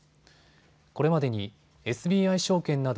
これまでにＳＢＩ証券など